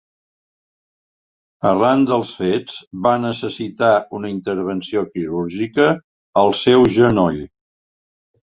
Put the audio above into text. Arran dels fets, va necessitar una intervenció quirúrgica al seu genoll.